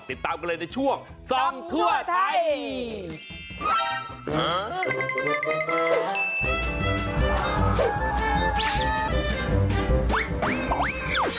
ติดตามกันเลยในช่วงส่องทั่วไทย